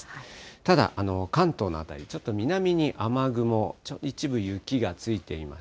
ただ、関東の辺り、ちょっと南に雨雲、一部雪がついています。